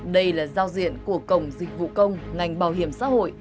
đây là giao diện của cổng dịch vụ công ngành bảo hiểm xã hội